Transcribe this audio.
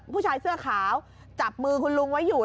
ผู้ชายเสื้อขาวจับมือคุณลุงไว้อยู่